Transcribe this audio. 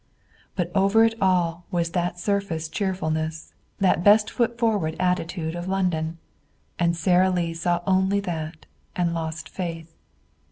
But over it all was that surface cheerfulness, that best foot forward attitude of London. And Sara Lee saw only that, and lost faith.